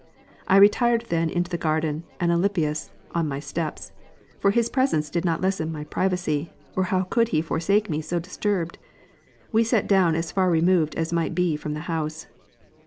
I retired then into the garden, and Alypius, on my steps. For his presence did not lessen my privacy ; or how could he forsake me so disturbed ? We sate down as far removed as might be from the house.